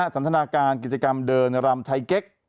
สันทนาการกิจกรรมเดินรำไทยเก๊ก